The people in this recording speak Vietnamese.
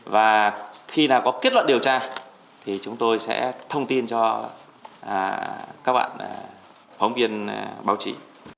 và khi nào có kết luận điều tra thì chúng tôi sẽ thông tin cho các bạn phóng viên báo chí